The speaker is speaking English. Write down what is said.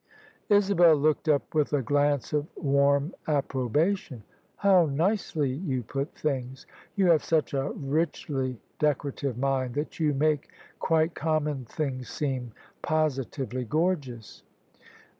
Isabel looked up with a glance of warm approbation, " How nicely you put things! You have such a richly deco rative mind that you make quite common things seem posi tively gorgeous."